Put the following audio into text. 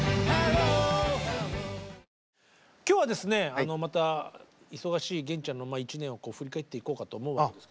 今日はですねまた忙しい源ちゃんの１年を振り返っていこうかと思うわけです。